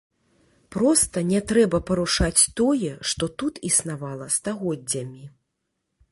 Проста не трэба парушаць тое, што тут існавала стагоддзямі.